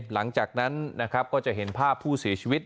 หลังจากนั้นนะครับก็จะเห็นภาพผู้เสียชีวิต